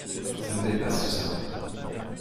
Ça me dépasse, tout ça.